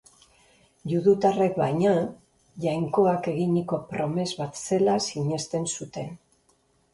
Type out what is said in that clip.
Judutarrek, baina, Jainkoak eginiko promes bat zela sinesten zuten.